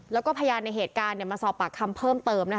แล้วก็พยานในเหตุการณ์มาสอบปากคำเพิ่มเติม